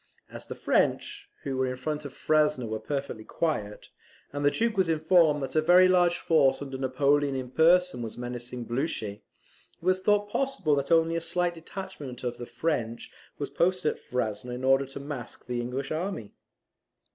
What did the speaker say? As the French, who were in front of Frasne, were perfectly quiet, and the Duke was informed that a very large force under Napoleon in person was menacing Blucher, it was thought possible that only a slight detachment of the French was posted at Frasne in order to mask the English army.